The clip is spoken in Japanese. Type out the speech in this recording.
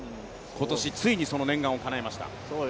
今年ついにその念願をかなえました。